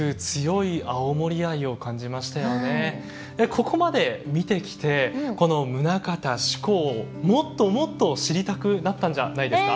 ここまで見てきてこの棟方志功をもっともっと知りたくなったんじゃないですか？